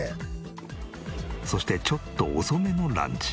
そしてちょっと遅めのランチ。